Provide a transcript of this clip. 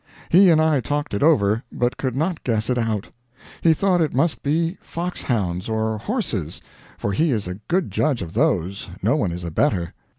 He and I talked it over, but could not guess it out. He thought it must be fox hounds or horses, for he is a good judge of those no one is a better.